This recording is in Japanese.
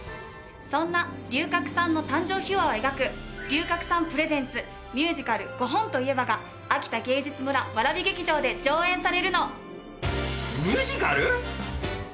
そんな龍角散の誕生秘話を描く龍角散Ｐｒｅｓｅｎｔｓミュージカル『ゴホン！といえば』があきた芸術村わらび劇場で上演されるの。